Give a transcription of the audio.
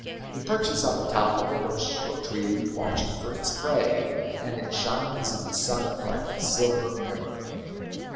It perches on the top of a bush or tree watching for its prey, and it shines in the sun like a silver mirror.